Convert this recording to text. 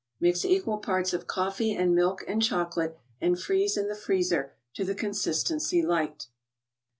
Mixe< f ual P arts of coffee and milk and chocolate, and freeze in the freezer to the consistency liked.